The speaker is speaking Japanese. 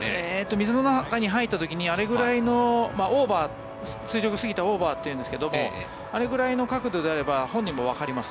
水の中に入った時にあれぐらい垂直すぎたオーバーというんですがあれぐらいの角度であれば本人もわかります。